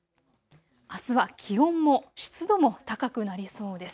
あすは気温も湿度も高くなりそうです。